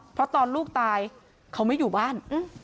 เพราะตอนลูกตายเขาไม่อยู่บ้าน